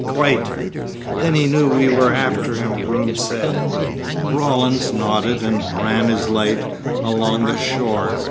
"Quite." "Then he knew we were after him," Groom said. Rawlins nodded and ran his light along the shore.